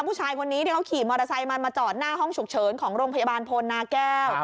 ผู้ชายคนนี้ที่เขาขี่มอเตอร์ไซค์มามาจอดหน้าห้องฉุกเฉินของโรงพยาบาลพลนาแก้ว